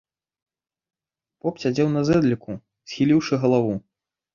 Поп сядзеў на зэдліку, схіліўшы галаву.